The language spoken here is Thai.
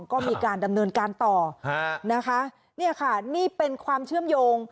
ก็มีการดำเนินการต่อนะคะเนี่ยค่ะนี่เป็นความเชื่อมโยง